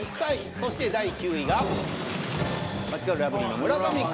そして第９位がマヂカルラブリーの村上君。